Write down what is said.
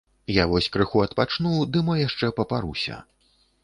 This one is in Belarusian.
Я вось крыху адпачну, ды мо яшчэ папаруся.